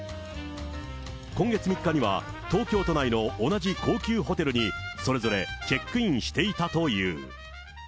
今月３日には、東京都内の同じ高級ホテルに、それぞれチェックインしていたという。